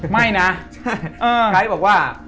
ใครที่บอกว่า